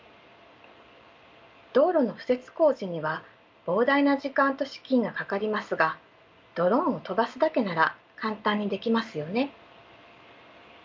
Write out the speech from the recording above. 道路の敷設工事には膨大な時間と資金がかかりますがドローンを飛ばすだけなら簡単にできますよね。